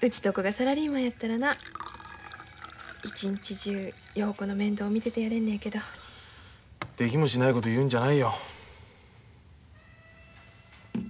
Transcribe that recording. うちとこがサラリーマンやったらな一日中陽子の面倒見ててやれるのやけど。できもしないこと言うんじゃないよ。